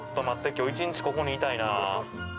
今日一日ここにいたいな。